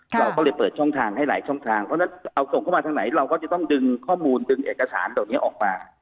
เราก็เลยเปิดช่องทางให้หลายช่องทางเพราะฉะนั้นเอาส่งเข้ามาทางไหนเราก็จะต้องดึงข้อมูลดึงเอกสารเหล่านี้ออกมา